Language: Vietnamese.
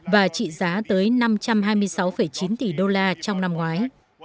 và trị giá tới năm trăm hai mươi sáu chín tỷ đô la trong năm ngoái